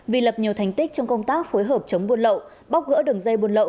vì lập nhiều thành tích trong công tác phối hợp chống buôn lậu bóc gỡ đường dây buôn lậu